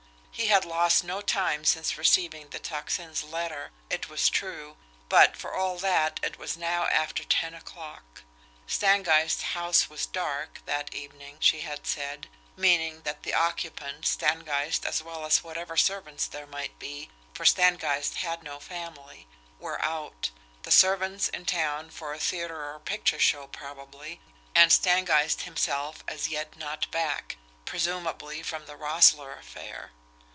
He had lost no time since receiving the Tocsin's letter, it was true, but, for all that, it was now after ten o'clock. Stangeist's house was "dark" that evening, she had said, meaning that the occupants, Stangeist as well as whatever servants there might be, for Stangeist had no family, were out the servants in town for a theatre or picture show probably and Stangeist himself as yet not back, presumably from that Roessle affair.